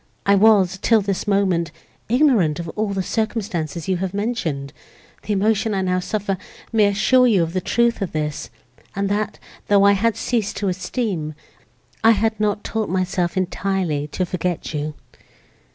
I was, till this moment, ignorant of all the circumstances you have mentioned; the emotion I now suffer may assure you of the truth of this, and, that, though I had ceased to esteem, I had not taught myself entirely to forget you."